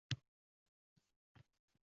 bulutlar orasida